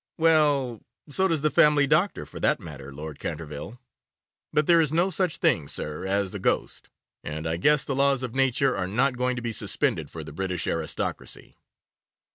'Well, so does the family doctor for that matter, Lord Canterville. But there is no such thing, sir, as a ghost, and I guess the laws of Nature are not going to be suspended for the British aristocracy.